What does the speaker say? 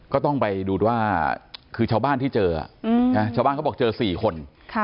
ก็ต้องไปดูว่าคือชาวบ้านที่เจอชาวบ้านเขาบอกเจอ๔คน